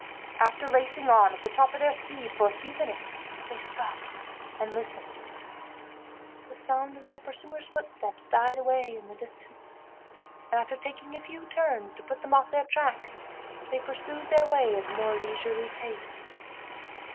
After racing on at the top of their speed for a few minutes, they stopped and listened. The sound of their pursuers' footsteps died away in the distance; and, after taking a few turns to put them off their track, they pursued their way at a more leisurely pace.